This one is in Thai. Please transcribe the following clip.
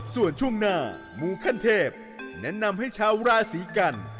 ส่วนช่วงหน้ามูขั้นเทพแนะนำให้ชาวราศีกัน